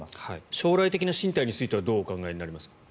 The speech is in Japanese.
将来的な進退についてはどうお考えになりますか。